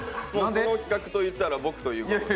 この企画といったら僕という事で。